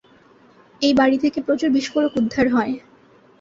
এই বাড়ি থেকে প্রচুর বিস্ফোরক উদ্ধার হয়।